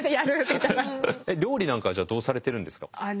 料理なんかはどうされてるんですか？